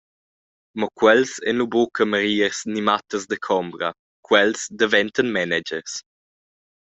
Mo quels ein lu buca cameriers ni mattas da combra, quels daventan managers.